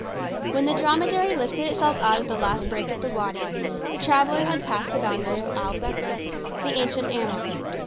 When the dromedary lifted itself out of the last break of the wady, the traveller had passed the boundary of El Belka, the ancient Ammon.